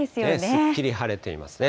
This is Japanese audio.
すっきり晴れていますね。